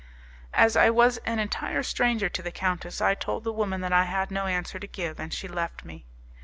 As I was an entire stranger to the countess, I told the woman that I had no answer to give, and she left me.